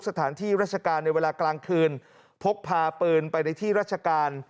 สถานที่ราชการในเวลากลางคืนพกพาปืนไปในที่ราชการ